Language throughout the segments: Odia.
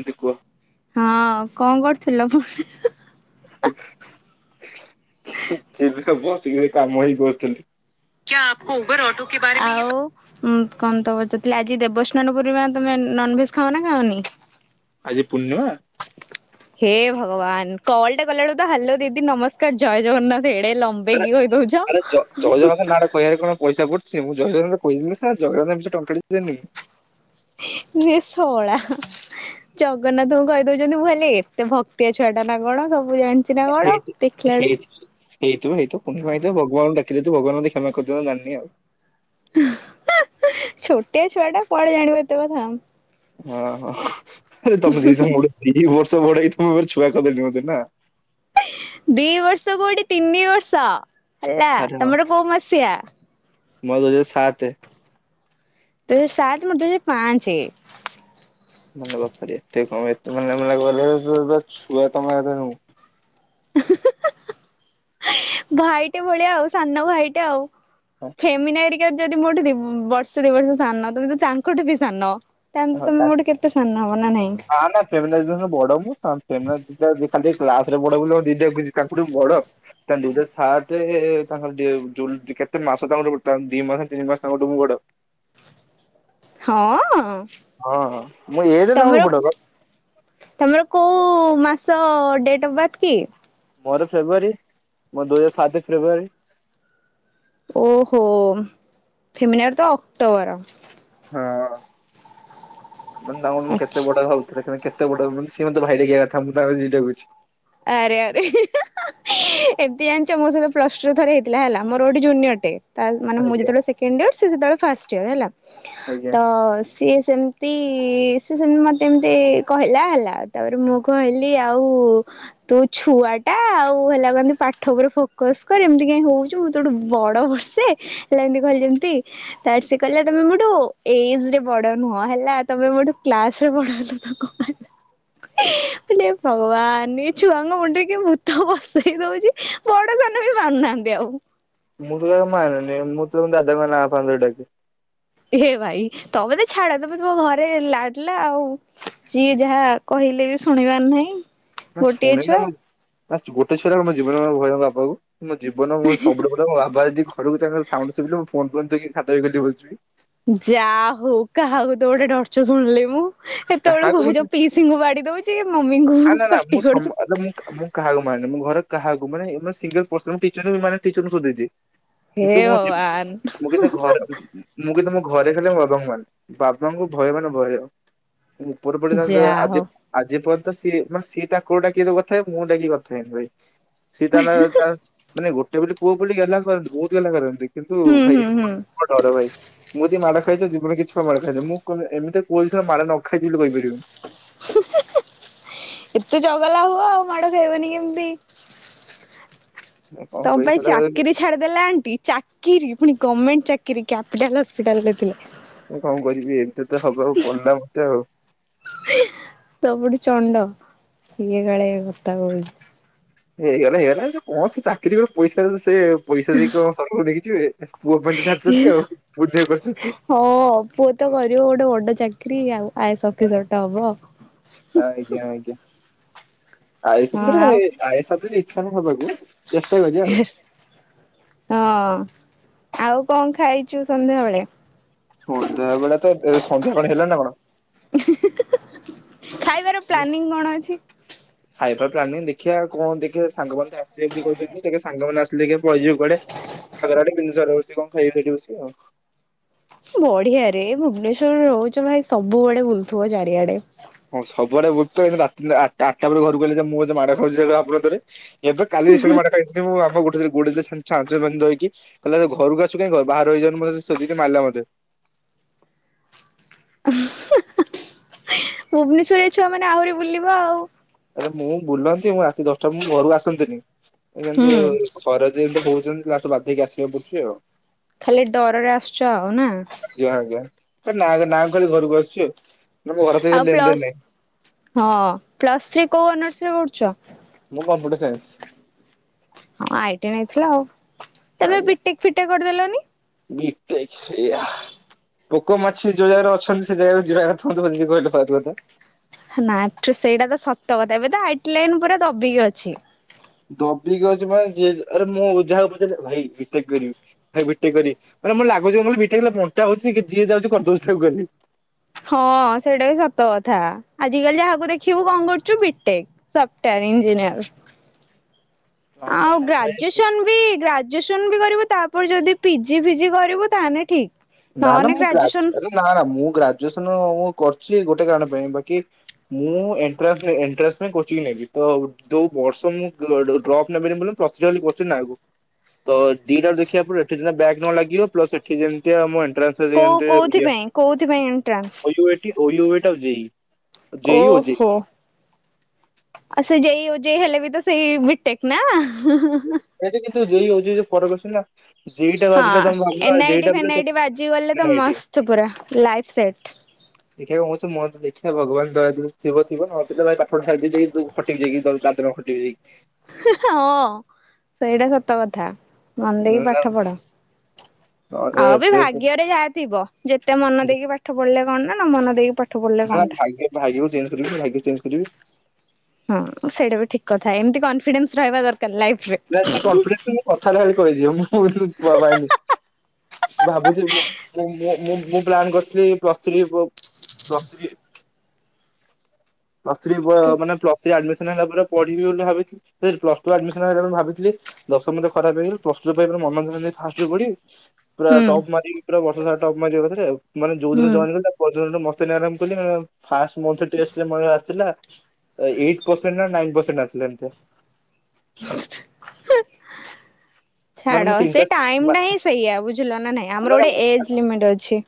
ଦିଦି କୁହ? ହଁ କଣ କରୁଥିଲ? ଟିଭିରେ ବସିକି କାମ ହିଁ କରୁଥିଲି। [unintelligible] ଆଉ ଉଁ କଣ ତ ପଚାରୁଥିଲି, ଆଜି ଦେବସ୍ନାନ ପୂର୍ଣ୍ଣିମା, ତମେ ନୋନଭେଜ୍ ଖାଅ ନା ଖାଅନି? ଆଜି ପୂର୍ଣ୍ଣିମା? [inaudible] ହେ ଭଗବାନ। କଲ ଟେ କଲା ବେଳକୁ ତ ହାଲୋ ଦିଦି ନମସ୍କାର ଜୟ ଜଗନ୍ନାଥ ଏଡେ ଲମ୍ବେଇ ଆରେ କି କହିଦଉଛ। ଆରେ ଜ ଜୟ ଜଗନ୍ନାଥ ନାଟା କହିବାରେ କଣ ପଇସା ପଡୁଛି। ମୁଁ ଜୟ ଜଗନ୍ନାଥ କହିଲି ବୋଲି ସିନା ଜଗନ୍ନାଥ ନା ରେ ଟଙ୍କାଟେଦେଲି। ଏ ଷଳା। ଜଗନ୍ନାଥଙ୍କୁ କହିଦଉଛନ୍ତି। ମୁଁ ଭାବିଲି ଏତେ ଭକ୍ତିଆ ଛୁଆ ଟା ନା କଣ ସବୁ ଜାଣି ଚିନା କଣ, ହେଇଥି ଦେଖିଲାଡୁ ହେଇଥି ହେଇଥିବ ହେଇଥିବ ପୂର୍ଣିମା ହେଇଥିବ ଭଗବାନଙ୍କୁ ଡାକି ଦେଇଥିବୁ ଭଗବାନ ମତେ କ୍ଷମା କରିଦିଅ ମୁଁ ଜାଣିନି। ଛୋଟିଆ ଛୁଆଟା କୁଆଡେ ଜାଣିବ ଏତେ କଥା। ଓହୋ ଆରେ ତମେ ଦି ଜଣ ମୋଠୁ ଦି ବର୍ଷ ବଡ ହେଇକି ତମ ଆଗରେ ଛୁଆ କରିଦେଲଣି ମତେ ନା? ଦି ବର୍ଷ କୋଉଠି ତିନି ବର୍ଷ ହେଲା, ଆରେ ହଁ ତମର କୋଉ ମସିହା? ମୋର ଦୁଇ ହଜାର ସାତ୍ତେ। ତର ସାତ ମୋର ଦୁଇ ହଜାର ପାଞ୍ଚେ। ମାନେ ବାପ୍ ରେ, ଏତେ କମ୍ ହେଲାବେଳକୁ ତମ ଆଗରେ ଛୁଆ ମୁଁ। ଭାଇଟେ ଭଳିଆ ଆଉ ସାନ ଭାଇଟେ ଆଉ। ଫେମିିନେରିକା ଯଦି ମୋଠୁ ଦି ବର୍ଷ ଦି ବର୍ଷ ସାନ, ତମେ ତୋ ତାଙ୍କଠୁ ବି ସାନ। ତାହେଲେ ହଁ ତମେ ମୋଠୁ କେତେ ସାନ ହବ ନା ନାଇଁ? ଫେମିନା ଦିଦି ଠୁ ବଡ ମୁଁ। ଖାଲି କ୍ଲାସରେ ବଡ ବୋଲି ଦିଦି କହୁଛି, ତାଙ୍କଠୁ ମୁଁ ବଡ। ତା ଦୁଇ ହଜାର ସତେ, କେତେ ମାସ ତାଙ୍କର ଗୋଟେ ଦି ମାସ ତିନି ମାସ ତାଙ୍କଠୁ ମୁଁ ବଡ। ହଁ ହଁ, ମୁଁ ଏଜ ରେ ତାଙ୍କଠୁ ବଡ ପା। ତୁମର କୋଉ ମାସ ଡେଟ୍ ଅଫ୍ ବାର୍ଥ କି? ମୋର ଫେବୃୟାରୀ। ମୋର ଦୁଇ ହଜାର ସାତ ଫେବୃୟାରୀ। ଓହୋ ଫେମିିନାର ତୋ ଅକ୍ଟୋବର। ହଁ ବୃନ୍ଦାବନ ମୁଁ କେତେ ଆଚ୍ଛା। ବଡ ଭାବୁଥିଲି କି? କେତେ ବଡ ବୋଲି ସେ ମୋତେ ଭାଇ ଡାକିବା କଥା ମୁଁ ତାକୁ ଜି ଡାକୁଛି। ଆରେ ଆରେ [inaudible] ଏମିତି ଜାଣିଛ ମୋ ସହିତ ପ୍ଲସ ଟୁ ଥରେ ହେଇଥିଲା ହେଲା ମୋର ଗୋଟେ ଜୁନିୟର ଟେ ତା ମାନେ ମୁଁ ଆଜ୍ଞା। ଯେତେବେଳେ ସେକେଣ୍ଡ ଇୟର। ସେ ସେତେବେଳେ ଫାଷ୍ଟ ଇୟର ହେଲା। ଆଜ୍ଞା! ତୋ ସିଏ ସେମିତି, ସିଏ ସେମତି ମତେ ଏମତି କହିଲା ହେଲା। ତାପରେ ମୁଁ କହିଲି ଆଉ ତୁ ଛୁଆ ଟା ଆଉ ହେଲା [inaudible] ପାଠ ଉପରେ ଫୋକସ କର ଏମିତି କାଇ ହଉଛି ମୁଁ ତୋ ଠୁ ବଡ ବର୍ଷେ। ହେଲା ଏମତି କହିଲି ଯେମିତି ତାର ସେ କହିଲା ତମେ ମୋଠୁ ଏଜ୍ ରେ ବଡ଼ ନୁହଁ ହେଲା। ତମେ ମୋଠୁ କ୍ଲାସ ରେ ବଡହେଲ ତୋ କଣ [inaudible] ମାନେ ଭଗବାନ! ଛୁଆଙ୍କ ମୁଣ୍ଡରେ କିଏ ଭୂତ ବସେଇ ଦଉଛି ବଡ ସାନ ବି ମାନୁ ନାହାନ୍ତି ଆଉ। ମୁଁ ତ ଜମା ମନେନି। ମୁଁ ତୋ ଦାଦାଙ୍କ ନାଁ ଫାଆଁ ଧରି ଡାକେ। ହେ ଭାଇ ତମେ ତୋ ଛାଡ। ତମେ ତମ ଘରେ ଲାଡିଲା ଆଉ ଯିଏ ଯାହା କହିଲେ ଶୁଣିବାର ନାହିଁ। ନା ଗୋଟିଏ ଶୁଣେ ନା ଛୁଆ ମୁଁ। ବାସ୍ ଗୋଟେ ଛୁଆରେ ମୋ ଜୀବନରେ ଭୟ ହେଲା ବାପାକୁ। ମୋ ଜୀବନ ମୁଁ ସବୁଠୁ ବଡ ମୋ ବାପା ଯଦି ଘରକୁ ତାଙ୍କର ସାଉଣ୍ଡ ଶୁଭିଲା ମୁଁ ଫୋନ୍ ବନ୍ଦ ଥଇକି ଖାତା ରେ ବହିରେ ବସିଯିବି। ଯା ହଉ କାହାକୁ ତ ଗୋଟେ ଡର୍ଚ ଶୁଣିଲି ମୁଁ ଏତେବେଳେ କାହାକୁ କହୁଛ ମାନେ ପିସ୍ ସିଙ୍ଗ ବାଡ଼ି ଦଉଛି ମମିଙ୍କୁ ପାଟିକରୁ। ଆ ମୁଁ କାହାକୁ ମାନେ ଘର କାହାକୁ ମାନେଇନୀ ସିଙ୍ଗଲ ପାର୍ଶନ ଟିଚର ମାନେ ଟିଚରଙ୍କୁ ଭି ଦେଇଦିଏ। ହେ କିନ୍ତୁ ମୁଁ ଯି ଭଗବାନ [unintelligible] ମୁଁ କେତେ ଘରେ- ମୁଁ କି ତମ ଘରେ ଖାଲି ବାବାଙ୍କ ମାନେ ବାବାଙ୍କୁ ଭୟ ମାନେ ଭୟ ଉପର ପଡି ଯ ଯା ଆଜି ହଉ। ଆଜି ପ ସିଏ ମାନେ ସି ତାକୁ ଡାକିେ କଥାଏ ମୁଁ ଡାକି କଥାଏନି ଭାଇ। ସି ତା ମାନେ ଗୋଟେ ପୋଟେ ପୁଅ ବୋଲିଟ ଗଲା। କରନ୍ତି ବହୁତ ଗଲା କରନ୍ତି କିନ୍ତୁ ହୁଁ ଭାଇ ହୁଁ ହୁଁ ଙ୍କୁ ଡର ଭାଇ। ମୁଁ ଯଦି ମାଡ ଖାଇଛ ଜୀବନ କିଛି ଛୁଆ ମାଡ ଖାଇଥାି ମୁଁ ଏମିତି କହୁି ନା ମାଡ ନ ଖାଇଛି ବୋଲି କହିପାରିବି। ଏତେ ଚଗଲା ହୁଅ ଆଉ ମାଡ ଖାଇବନି କେମିତି କଣ ତମ କରି ପାଇଁ ଶଳା ଚାକିରି ଛାଡିଦେଲା ଏଣ୍ଟି ଚାକିରି ପୁଣି ଗଭର୍ଣ୍ମେଣ୍ଟ ଚାକିରୀ କ୍ୟାପିଟାଲ୍ ହସ୍ପିଟାଲରେ ଥିଲେ। ମୁଁ କଣ କରିବି ଏମିତି ତ ହବ ଆଉ ପଡିଲା ମତେ ଆଉ। ସବୁଠୁ ଚଣ୍ଡ ସିଏ କାଳେ କଥା କହୁଛି। ହେଇଗଲା ହେଇଗଲା ଯେ କଣ ସେ ଚାକିରି ରୁ ପଇସା ଦେଲୁ ସେ ପଇସା ଦେଇ କଣ ସରଗକୁ ନେଇକି ଯିବେ। ପୁଅ ପାଇଁ ତୋ ଛାଡୁଛନ୍ତି ଆଉ ବୁଲିବାକୁ ଆସିଛନ୍ତି। ହଁ ପୁଅ ତ କରିବ ଗୋଟେ ବଡ ଚାକିରରି ଆଉ ଆଇସ୍ ଅଫିସର ଟା ହବ। ଆଜ୍ଞା ଆଜ୍ଞା। ଆଇଏସ ହଁ ଅଫିସର ଆଉ ଏ ଆଇଏସ ଅଫିସର ଇଛା ନୁହଁ ହେବାକୁ ହଁ ଆଉ କଣ ଖାଇଛୁ ସନ୍ଧ୍ୟାବେେଳେ। ସନ୍ଧ୍ୟା ବେଳେ ତ ସନ୍ଧ୍ୟା କଣ ହେଲା ନା କଣ। ଖାଇବାର ପ୍ଲାନିଂ କଣ ଅଛି। ହାଇପାର ପ୍ଲାନିଂ ଦେଖିବା କଣ ଦେଖିବାେ ସାଙ୍ଗମାନେ ତ ଆସିବେ ବୋଲି କହୁଛନ୍ତିେ ସାଙ୍ଗମାନେ ଆସିବେ। ପଳଯିବ କୁଡେଡେୁ ସାରଛି କଣ ଖାଇ ଫେଛି ଆଉ। ବଢିଆରେ ଭୁବନେଶ୍ଵରରେ ରହୁଛ ଭାଇ ସବୁ ବଡେ ବୁଲୁଥିବ ଚାରିଆଡେ, ହଁ ସବୁଆଡେ ବୁତି ଆଠଟା ପରେ ଘରକୁ ଗଲେ ମୁ ଯେ ମାଡ଼ ଖାଉଛି ଆପଣଥରେ। ଏବେ କାଲି ମାଡ [unintelligible] ଖଥିଲି ମୁଁ ଆମ ଗୋଟ ଗୋ ହେକି। କହିଲ ଘକୁ ଆଶୁ କାହିଁ ଘର ବାହାର ରହିଯାଉନୁ, ସେତିକି ମାରିଲା ମତେ ଭୁବନେଶ୍ୱରରେ ଛୁଆ ମାନେ ଆହୁରି ବୁଲିବା ଆଉ, ଆରେ ମୁଁ ବୁଲନ୍ତି ମୁଁ ରାତି ଦଶଟା ଘରୁକୁ ଆସନ୍ତିନି କିନ୍ତୁ ହୁଁ ଘରେ ଯେମିତି ହହୁଉଛନ୍ତି ଲାଠୁ ବାଧକି ଆସିବାକୁ ପଡୁଛି ଆଉ। ଖାଲି ଡରରେ ଆସୁଛ ଆଉ ନା। ଆଜ୍ଞା ଆଜ୍ଞା, ନାଁ ନାଁ ଖାଲି ଘରକୁ ଆସିୁଛି ଆଉ। ମୋ ଘର ସହିତ ଆଉ ଲେନଦେନ ପ୍ଲସ୍ ନାହିଁ ହଁ ପ୍ଲସ୍ ଥ୍ରୀ କୋଉ ଅନର୍ସ ରେ ପଢୁଛ? ମୁଁ କମ୍ପୁଟର ସାଇନ୍ସ। ହଁ ଆଇ ଟି ଆଇ ନେଇଥିଲ ଆଉ, ତମେ ବିିଟେକ ଫିଟେ କରିଦେଲନି? ବି ଟେକ [unintelligible] ପୋକ ମାଛି ଯୋଉ ଜାଗାରେ ଅଛନ୍ତି, ସେ ଜାଗାରେ ଯିବା [unintelligible] ନା ସେଇଟା ତ ସତ କଥା, ଏବେ ତ ହାଇଟ ଲାଇନ ପୁରା ଦବିକି ଅଛି। ଦବି ଅଛି ମାନେ [unintelligible] ଭାଇ ବିିତେକ କରିବି। ଭାଇ ବି ଟେକ କରିବି, ମ ଲାଗୁଚି କି ବିଟେକ ବଣ୍ଟା ହଉଛି, କି ଯିଏ ଯାଉଛି କରିଦଉଛି ଖାଲି। ହଁ ସେଇଟା ବି ସତ କଥା, ଆଜିକାଲି ଯାହାକୁ ଦେଖିବୁ କଣ କରୁଛୁ? ବିଟେକ। Software engineer. ଆଉ ଭାବନା ଭାଇ ଗ୍ରାଜୁଏସନ ବି ଗା- ଗ୍ରାଜୁଏସନ୍ ବି କରିବୁ, ତାପରେ ଯଦି ପିଜି ଫିଜି କରିବୁ ତାହେଲେ ଠିକ୍, ନା ନା ନହେଲେ ମୁଁ ଗ୍ରାଜୁ ଗ୍ରାଜୁଏସନ୍ ଆରେ ନା ନା ମୁଁ ଗ୍ରାଜୁଏସନ ମୁଁ କରିୁଛି ଗୋଟେ କାରଣ ପାଇଁ ବାକି ମୁଁ ଏଣ୍ଟ୍ରାନ୍ସ ଏଣ୍ଟ୍ରାନ୍ସ ପାଇଁ କୋଚିଂ ନେବି, ତ ଯୋଉ ବର୍ଷ ମୁଁ ଡ୍ରପ୍ ନେବିନି ବୋ ଆଗ ତ ଦିଟା ଦେଖିବା ପରେ ଏଠି ଯେ ବ୍ୟାଗ୍ ନ ଲାଗିବ, ପ୍ଲସଠି ଯେ କୋଉ ମ କୋଉଥିପାଇଁ କୋଉଥିପାଇଁ ଏଣ୍ଟ୍ରାନ୍ସ [unintelligible] ଓ ଜେଇ। ଓହୋ। ଆଉ ସେ ଯେଇ ଯେଇ ହେଲେ ବି ତ ସେଇ ବିଟେକ୍ ନା। ସେଇା କିନ୍ତୁ ଯ ଯ ଫରକ ଆସେ ନା। ଯେଇ ହଁ ବାଜିଲେ ତମେ ଭାବିଲ ସୁ ପୁରା ଲାଇଫ୍ ସେଟ୍। ଦେଖିବା କହୁଛ ମ ତ ଦେଖିବା ଭଗବାନ ଥିବଥିବ, ନଥିଲେ ଭାଇ ପାଠ ଛାଡିଦ ଯାଇ ଖଟିବ ଯାଇକି, ଦାଦନ ଖଟିବ ଯାଇ କି। ହଁ ସେଇଟା ସତ କଥା, ମନ ଦେଇକି ଉଁ, ପାଠ ପଢ। ନା ଏ, ଆଉ ବି ତେ- ଭାଗ୍ୟରେ ସେ- ଯାହା ଥିବ, ଯେତେ ମନ ଦେଇକି ପାଠ ପଢିଲେ କଣ ନା ନା ମନ ଦେଇକି ପଢିଲେ ନା କଣଟା। ଭ ଭିବ ଚେ୍ କରିବି ଭ ଚେଞ୍ଜ କରିବି। ହଁ ସେଇଟା ବି ଠିକ କଥା, ଏମିତି କନଫିଡେନ୍ସ ରହିବା ଦରକାର। ଲାଇଫ୍ ରେ। ନା ସେ କନଫିଡେନ୍ସ କଥା ହେଲା ଭ କହିଦିଏ, ମୁଁ କିନ୍ତୁ ପୁଆ ପାଇଁନି। ଭାବୁଛି ମୁ ମୁଁ ପ୍ଲାନ୍ କରିଥିଲି plus three plus three plus three ହେବା ହୁଁ ପ୍ଲସ୍ ଥ ଆଡମିସନ ହେଲା ପରେ ପଢିବି ବୋଲି ଭାବି, ପ୍ଲସ ଟୁ ଆଡମିସନ ହେଲା ଭାବଥିଲି ଦଶମ ତ ଖରାପ ହେଇଗ, ପ୍ଲସ ଟୁ ଟା ପୁରା ମନଧ୍ୟାନ ଦେଇ ଫାଷ୍ଟରୁ ପଢ଼ିବି। ପୁରା ଟପ୍ ମାରିବି, ପୁରା ବର୍ଷ ସାରା ଟପ୍ ମାରିବା କରେେ ଯୋଉ ଦିନ ଜ ହୁଁ। [unintelligible] [unintelligible] ଫାଷ୍ଟ ମନଥିଲି ଟେଷ୍ଟ ଆସିଲା ଏଇଟ ପରସେଣ୍ଟ, ନାଇନ ପରସେଣ୍ଟ ଆସିଲା ଏମତିଆ। [unintelligible] ମାନେ ଛାଡ ମୁଁ ତିନିଟା ସେ ଟାଇମ ଟା ହିଁ ସେଇଆ ବୁଝିଲ ନା ନାଇଁ, ଆମର ଗୋଟେ ଏଜ ଲିମିଟ ଅଛି।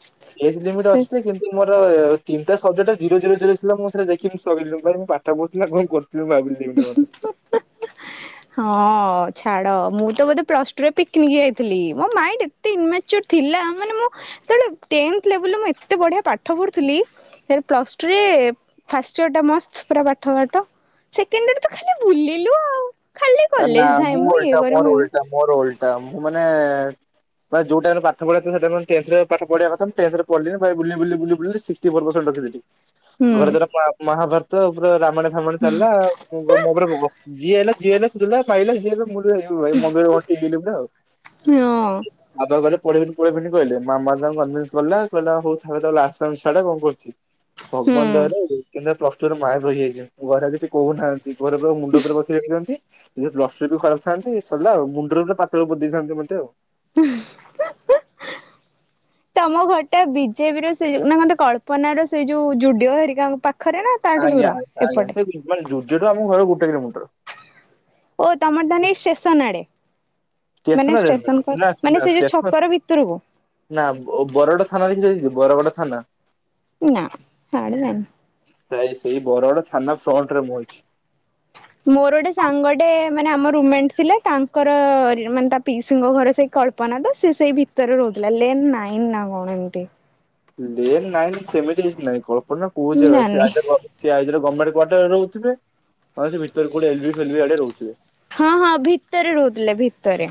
ଏଜ ଲିମିଟ ସେ ଅଛି ଯେ କିନ୍ତୁ ମୋର ତିନଟା ସବଜେକ୍ଟ ଜିରୋ ଜିରୋ ଜିରୋ ଥିଲା, ସ ଦେଖି ସରିଲି ପାଇଁ ମୁ ପାଠ ପଢ଼ଥିଲି କଣ କରଥିଲି ଭାବିଲି? ହୁଁ ହୁଁ ହା ହା ହଁ ଛାଡ, ମୁଁ ତ ବୋଧେ ପ୍ଲସ୍ ଟୁରେ ପିକନିକ ଯାଇଥିଲି ମୋ ମାଇଟ ଇନ ମାଚୁଆର ଥିଲା, ମାନେ ମୁଁ ଟେନଥ ଲେବୁଲ ରେ ଏତେ ବଢିଆ ପାଠ ପଢ଼ୁଥିଲି? ଏ ପ୍ଲସ୍ ଟୁରେ ଫାଷ୍ଟ ଇୟର୍ଟା ମସ୍ତ ପୁରା ପାଠ ପାଠ ସେକେଣ୍ଡ ଇର ତ ଖାଲି ବୁଲିଲୁ ଆଉ ଖାଲି ନା କଲେଜ ଯାଏ ମୁଁ ଇଏ ଓଲଟା କରି ମୋର ମୁ ଓଲଟା ମୋର ଓଲଟା, ମୁଁ ମାନେ ବା ଯଉ ଟାଇମ୍ ରେ ପାଠ [unintelligible] ହୁଁ ଘରେ ଦାର ମହାଭାରତ ପୁରା ରାମାୟଣ ଚାଲିଲା ଆଉ, ଯିଏ ହେଲା ଯିଏ ହେଲା ଶୋଧିଲା ପାଇଲା ଏ ହେ ଭାଇ ମନ୍ଦିର ଟିକ ନା ଆଉ ହଁ ମାଧ ଆଦତ୍ ପନ୍ଦର୍ ମିନିଟ୍ କୋଡିଏ ମିନିଟ୍ କହିଲେ। ମାମା ତାଙ୍କୁ କନଭିନ୍ସ କଲା କହିଲା ହଉ ଛା କଣ କରୁଚି। ହୁଁ ଭଗବାନ ଦୟାରୁ କିନ୍ତୁ ପ୍ରଷ୍ଟୁରର ମା ରହିଯାଇଚି [unintelligible] ଘରେ କିଛି କହୁନାହାନ୍ତି। ଦି ପହରେ ପୁରା ମୁଣ୍ଡ ଉପରେ ବସି ଯାଇିଚନ୍ତି। ସେ ଯୋ ଲସି ଦୋକାନ ଥାନ୍ତି ସରିଲା ଆଉ ମୁଣ୍ଡରେ ପାତଳ ବ ଦେଇଥାନ୍ତି ମତେ ଆଉ। [inaudible] ତମ ଘରଟା ବିଜେପି ର ସେ ଯ ନା ମତ କଳ୍ପନା ର ସେଇ ଯୋଉ ଯୁଡିଓ ହେରିକାଙ୍କ ପାଖରେ ନା? ତାଠୁ ଦୂର ଏପଟେ। ମାନ ଯୁଡ଼ିଓଠୁ ଆମ ଘର ଗୋଟେ କିଲୋମିଟର। ଓ ତମର ତାନେ ଷ୍ଟେସନ୍ ଆଡେ। ମାନେ ଷ୍ଟେସନରେ ନୁହେଁ ନା ଷ୍ଟେସନଙ୍କର ମାନେ ନା ସେ ଯୋଉ ଷ୍ଟେସନ ଛକର ଭିତରକୁ। ନା ବ ବରଗଡ ଥାନା ଦେଖିଚ ବରଗଡ ଥାନା? ନାଁ ସାଡେ ଜାଣିନି। ପ୍ରାଇ ସେଇ ବରଗଡ ଥାନା ଫ୍ରଣ୍ଟ ରେ ମୁଁ ଅଛି। ମୋର ଗୋଟେ ସାଙ୍ଗଟେ ମାନେ ଆମ ରୁମେଣ୍ଟ ଥିଲେ ତାଙ୍କର ମାନେ ତା ପିଉସୁଙ୍କ ଘର ସେଇ କଳ୍ପ ପନା ତ ସେ ସେଇ ଭିତରେ ରହୁଥିଲା ଲେନ୍ ନାଇନ ନା କଣ ଏମତି। ଲେନ୍ ନାଇଁନ ସେମିତି କିଛି ନାଇଁ କଳ୍ପନା କୋଉ ମୁଁ ଜାଗା ସେ ଜାଣିନି ଆଇଦର। ସେ ଆଇଦର ଗର୍ମେଣ୍ଟ କ୍ଵାର୍ଟରରେ ରହୁଥିବ ସେ ତ କଉଠି ଏଲବି ଫେଲଭି ଆଡେ ରହୁଥିବେ। ହଁ ହଁ ଭିତରେ ରହୁଥିଲେ ଭିତରେ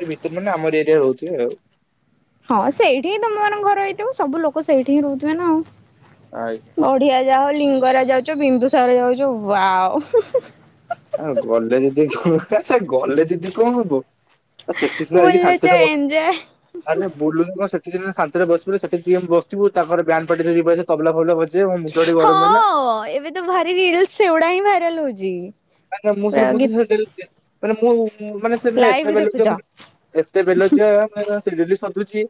ସେ ଭିତରେ ମାନେ ଆମର ଏରିଆରେ ରହୁଥିବେ ଆଉ। ହଁ ସେଇଠି ହିଁ ତମାନଙ୍କ ଘର ହେଇଥିବ ସବୁ ଲୋକ ସେଇଠି ହିଁ ରହୁଥିବେ ନା ଆଉ। ଆଞା। ବଢିଆ ଯା ହଉ ଲିଙ୍ଗରାଜ ଯାଉଛ ବିନ୍ଦୁସର ଯାଉଛୁ ୱାଉ। ଆଉ ଗଲେ ଦିଦି କଣ ଆଚଛା ଗଲେ ଦିଦି କଣ ହବ? ସେଠି ସିନା ଯାଇକି ବୁଲୁଛ ସାନ୍ତି ରେ ବ ଏଞ୍ଜୟ ବୁଲୁଣ ସେଠଦିନ ଶାନ୍ତିରେ ବସିବୁ ସେଠି ବସିଥିବୁ ତାଙ୍କର ବ୍ୟାନ ପାଟିି ସେ ତବଲା ଫାବଲା ବଜେଇବେ ମୁଁ [unintelligible] ଗରମ ହେଲା। ହଁ ଏବେ ତ ଭାରି ରିଲସ ସେଗୁଡା ହିଁ ଭାଇରାଲ ହଉଚି। ମାନେ ମୁଁ ସେ ମୁଁ ତ ସେ ଡେଲି ମାନେ ମୁଁ ମାନେ ସେ ଲାଇଭ ଏତେ ଦେଖୁଛ [unintelligible] ଏତେ ବେଲଜ୍ୟା ମାନେ ସେ ଡେଲି ସଧୁଚି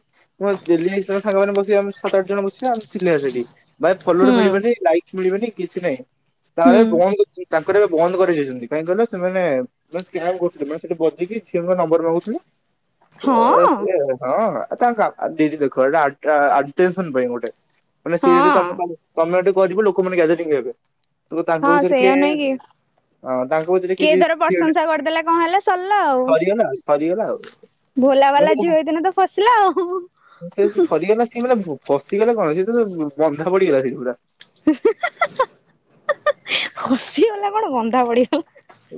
ମୁଁ ଡେଲି ଆ ସାଙ୍ଗ ମାନ ବସିବା ସାତ ଆଠ ଜଣ ବସିବା ଚିଲେଇବା ସେଠି। ଭାଇ ଫଲର୍ ହୁଁ ମିଲିବେନି ଲାଇକ୍ସ ମିଳିବନି କିଛି ନାହିଁ ତାହେଲେ ହୁଁ। ବନ୍ଦ ତାଙ୍କର ଏବେ ବନ୍ଦ କରି ଯାଇଛନ୍ତି କାହିଁକି କହିଲ ସେମାନେ ବସ୍ କାବ କହୁଥିଲ ମ ସେଠି ବଜିକି ଝିଅଙ୍କ ନମ୍ବର ମାଗୁଥିଲେ। ହଁ ତାଙ୍କ ଦିଦି ଦେଖେ ଏଟା ଏ [unintelligible] ପାଇଁ ଗୋଟେ। ମାନେ ସି ହଁ ତମେକୁ ତମେ ଯଦି କରିବ ଲୋକମାନେ ଗ୍ୟାଦରିଙ୍ଗ ହେବେ ତ ହଁ ତାଙ୍କ ଭିତରେ ସେଇଆ କିଏ ନୁହେଁ କି ହଁ ତାଙ୍କ ଭିତରେ କିଏ କିଛି ଧର ଗୋଟେ ପ୍ରଶଂସା କରିଦେଲା କଣ ହେଲା ସରିଲା ଆଉ ସରିଗଲା ଆଉ ସରିଗଲା ଆଉ। ଭୋଲା ବାଲା ମାନେ ଝିଅ ହେଇଥିନେ ତ ଫସିଲା ଆଉ। ସେ ଠି ସରିଗଲା ନା ସିଏ ନୁହ। ଫସିଗଲେ କଣ ସେ ତ ବନ୍ଧା ପଡିଗଲା ସେଠି ପୁରା। ହସିଗଲା କଣ ବନ୍ଧା ପଡିିବ।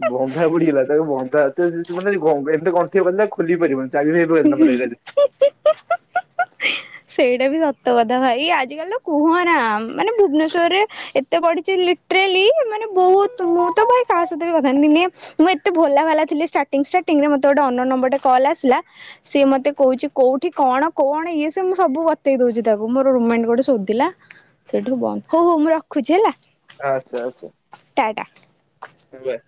ବନ୍ଧା ବୁଡିଗଲା ତାକୁ ବନ୍ଧା ଏତେ ଭିତରକୁ ଗଲେ ବି [unintelligible] ଏମିତି ଗଣ୍ଠି ପକେଇଲା ଖୋଲିବି ପାରିବନି। ଚାରି [unintelligible] [inaudible] ସେଇଟା ବି ସତ କଥା ଭାଇ ଆଜିକାଲି ତ କୁହନା ମାନେ ଭୁବନେଶରରେ ଏ ଏତେ ପଢ଼ିଚି ଲିଟରାଲି ମାନେ ବହୁତ ମୁଁ ତ ଭହ କାହା ସହିତ ବି କଥା ଦିନେ ମୁଁ ଏତେ ଭଲ ବାଲା ଥିଲ ଷ୍ଟାର୍ଟିଂ ଷ୍ଟାର୍ଟିଂ ରେ ମୋତେ ଗୋଟେ ଅନନନ୍ ନମ୍ବର ଟେ କଲ ଆସିଲା ସିଏ ମତେ କହୁଚି କୋଉଠି କଣ କଣ ଇଏ ସ ମୁଁ ସବୁ ବତେଇ ଦଉଚି ତାକୁ ମୋର ରୋମଣ୍ଟ ଗୋଟେ ଶଧ ଥିଲା ସେଠୁ ବନ୍ଦ ହଉ ହଉ ମୁଁ ରଖୁଚି ହେଲା। ଆଛା ଆଛା। ଟାଟା। ଆଜ୍ଞା।